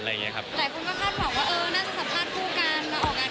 หลายคนก็คาดบอกว่าน่าจะสัมภาษณ์คู่กัน